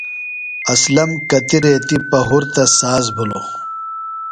اسلم کتیۡ ریتی پہُرتہ ساز بِھلوۡ۔